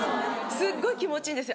すっごい気持ちいいんですよ